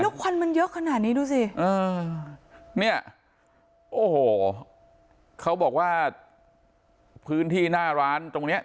แล้วควันมันเยอะขนาดนี้ดูสิเนี่ยโอ้โหเขาบอกว่าพื้นที่หน้าร้านตรงเนี้ย